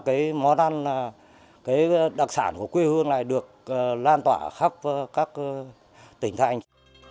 cái món ăn cái đặc sản của quê hương này được lan tỏa khắp các tỉnh thái anh